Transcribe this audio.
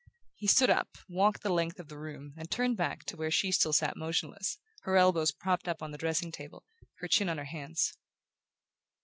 He stood up, walked the length of the room, and turned back to where she still sat motionless, her elbows propped on the dressing table, her chin on her hands.